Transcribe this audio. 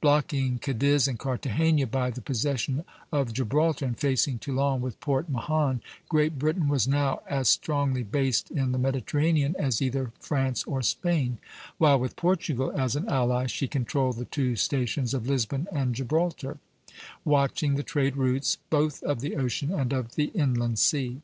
Blocking Cadiz and Cartagena by the possession of Gibraltar, and facing Toulon with Port Mahon, Great Britain was now as strongly based in the Mediterranean as either France or Spain; while, with Portugal as an ally, she controlled the two stations of Lisbon and Gibraltar, watching the trade routes both of the ocean and of the inland sea.